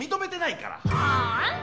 はあ？